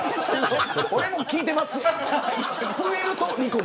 俺も聞いてます。